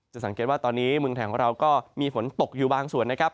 สังเกตว่าตอนนี้เมืองไทยของเราก็มีฝนตกอยู่บางส่วนนะครับ